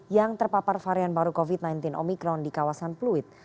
yang terpapar varian baru covid sembilan belas omikron di kawasan pluit